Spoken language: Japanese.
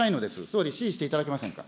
総理、指示していただけませんか。